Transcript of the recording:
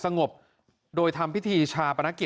ส่งมาขอความช่วยเหลือจากเพื่อนครับ